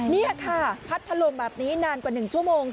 นี่ค่ะพัดถล่มแบบนี้นานกว่า๑ชั่วโมง